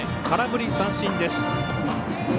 空振り三振です。